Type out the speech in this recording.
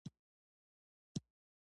نوکران ترې وېرېدل او پرې ګران وو.